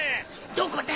どこだ？